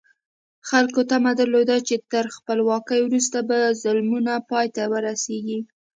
خلکو تمه درلوده چې تر خپلواکۍ وروسته به ظلمونه پای ته ورسېږي.